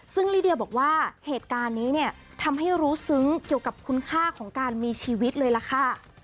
ซึ่งลิเดียบอกว่าเหตุการณ์นี้เนี่ยทำให้รู้ซึ้งเกี่ยวกับคุณค่าของการมีชีวิตเลยล่ะค่ะ